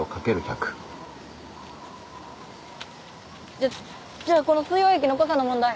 じゃじゃあこの水溶液の濃さの問題。